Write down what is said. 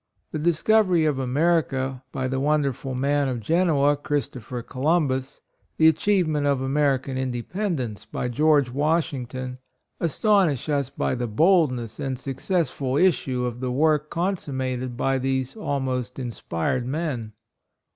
The discovery of America by the wonderful man of Genoa — Christopher Columbus ; the achieve 2 < 9 10 HIS LIFE, HIS ANCESTORS, ment of American Independence by George Washington astonish us by the boldness and successful issue of the work consummated by these almost inspired men.